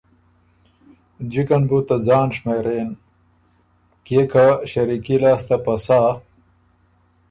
جکه ن بُو ته ځان شمېرېن کيې که ݭریکي لاسته پسَۀ